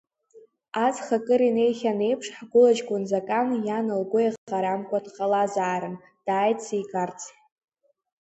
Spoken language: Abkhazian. Аҵх акыр инеихьан еиԥш, ҳгәылаҷкәын Закан, иан лгәы еиҟарамкәа дҟалазаарын, дааит сигарц.